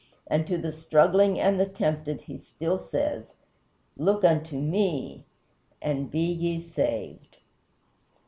And to the struggling and the tempted he still says, "Look unto ME, and be ye saved."